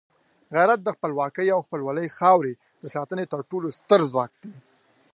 غیرت د خپلواکۍ او خپلې خاورې د ساتنې تر ټولو ستر ځواک دی.